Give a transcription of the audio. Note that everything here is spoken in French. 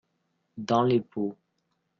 Dans les pots.